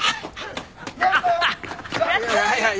はいはい。